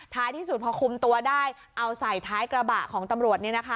ท้ายที่สุดพอคุมตัวได้เอาใส่ท้ายกระบะของตำรวจนี่นะคะ